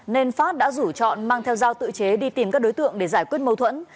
nên phát đã rủ chọn mang theo dao tự chế đi tìm các đối tượng để giải quyết mâu thuẫn